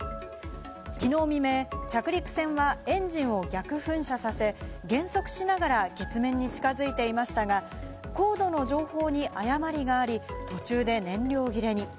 昨日未明、着陸船はエンジンを逆噴射させ、減速しながら月面に近づいていましたが、高度の情報に誤りがあり、途中で燃料切れに。